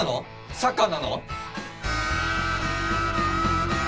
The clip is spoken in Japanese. サッカーなの？